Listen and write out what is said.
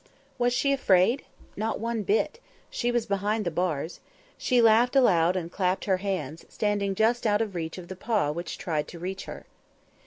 Was she afraid? Not one bit. She was behind the bars. She laughed aloud and clapped her hands, standing just out of reach of the paw which tried to reach her.